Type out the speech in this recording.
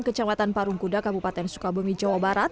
kecamatan parungkuda kabupaten sukabumi jawa barat